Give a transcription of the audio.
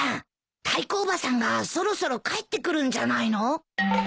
タイコおばさんがそろそろ帰ってくるんじゃないの？